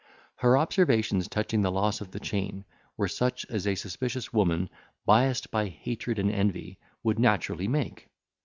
Her observations touching the loss of the chain were such as a suspicious woman, biassed by hatred and envy, would naturally make.